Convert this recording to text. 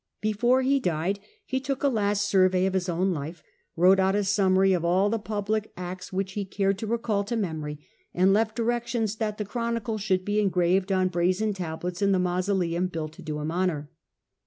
Before he died he took a last survey of his own life, wrote out a summary of all the public acts which he cared to recall to memory, and left directions that the chro nicle should be engraved on brazen tablets in the mausoleum built to do him honour.